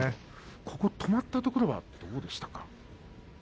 ここ止まったところはどうでしたか。